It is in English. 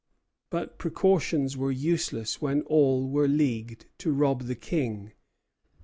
But precautions were useless where all were leagued to rob the King.